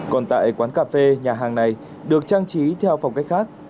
còn tại quán cà phê nhà hàng này được trang trí theo phong cách khác